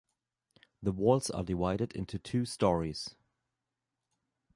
The walls are divided into two stories.